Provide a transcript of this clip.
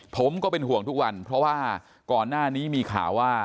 ผมก็เป็นห่วงทุกวันเพราะว่าก่อนหน้านี้มีข่าวว่า